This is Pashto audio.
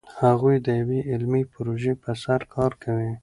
هغوی د یوې علمي پروژې په سر کار کوي.